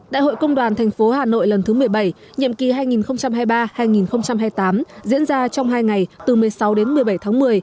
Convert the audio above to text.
đại hội công đoàn tp hà nội lần thứ một mươi bảy nhiệm kỳ hai nghìn hai mươi ba hai nghìn hai mươi tám diễn ra trong hai ngày từ một mươi sáu đến một mươi bảy tháng một mươi